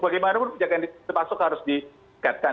bagaimanapun penjagaan pintu masuk harus ditingkatkan